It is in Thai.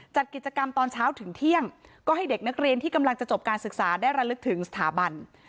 จัดกิจกรรมตอนเช้าถึงเที่ยงก็ให้เด็กนักเรียนที่กำลังจะจบการศึกษาได้ระลึกถึงสถาบัน